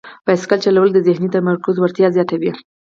بایسکل چلول د ذهني تمرکز وړتیا زیاتوي.